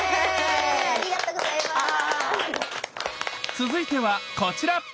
続いてはこちら！